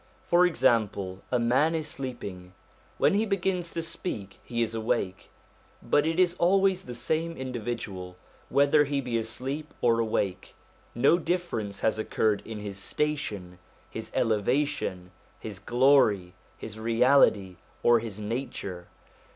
For example, a man is sleeping when he begins to speak he is awake but it is always the same individual, whether he be asleep or awake; no difference has occurred in his station, his elevation, his glory, his reality, or his nature.